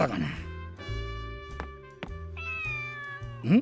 ん？